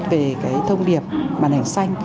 về cái thông điệp màn ảnh xanh